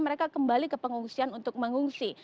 mereka kembali ke pengungsian untuk mengungsi